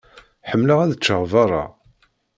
Ḥemmleɣ ad ččeɣ berra.